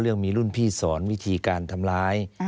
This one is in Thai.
เรื่องมีรุ่นพี่สอนวิธีการทำร้าย